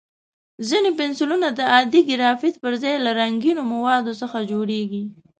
ځینې پنسلونه د عادي ګرافیت پر ځای د رنګینو موادو څخه جوړېږي.